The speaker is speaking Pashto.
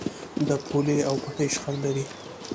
د پولې او پټي شخړه لرئ؟